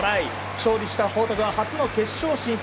勝利した報徳は初の決勝進出。